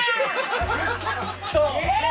えっ？